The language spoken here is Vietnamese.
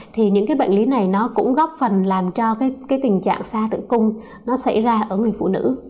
thì những cái bệnh lý này nó cũng góp phần làm cho cái tình trạng xa tự cung nó xảy ra ở người phụ nữ